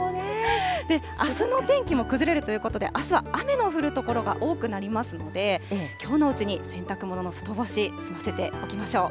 あすの天気も崩れるということで、あすは雨の降る所が多くなりますので、きょうのうちに洗濯物の外干し済ませておきましょう。